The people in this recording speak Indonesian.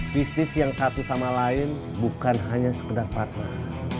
bisnis yang satu sama lain bukan hanya sekedar partner